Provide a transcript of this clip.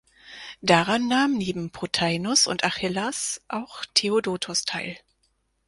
Daran nahm neben Potheinos und Achillas auch Theodotos teil.